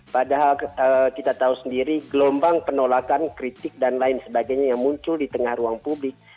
padahal kita tahu sendiri gelombang penolakan kritik dan lain sebagainya yang muncul di tengah ruang publik